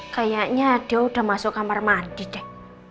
kayaknya dia udah masuk kamar mandi deh